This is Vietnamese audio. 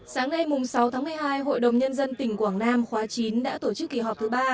sáng nay sáu tháng một mươi hai hội đồng nhân dân tỉnh quảng nam khóa chín đã tổ chức kỳ họp thứ ba